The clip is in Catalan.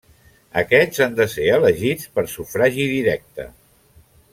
Aquests han de ser elegits per sufragi directe.